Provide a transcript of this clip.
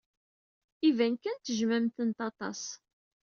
Iban kan tejjmemt-tent aṭas.